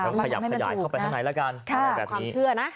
ขยับขยายเข้าไปไหนแล้วกันอะไรแบบนี้